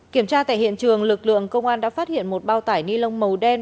kiểm tra tại hiện trường lực lượng công an đã phát hiện một bao tải ni lông màu đen